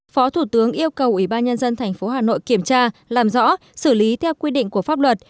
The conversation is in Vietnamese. phó thủ tướng yêu cầu ủy ban nhân dân tp hà nội kiểm tra làm rõ xử lý theo quy định của pháp luật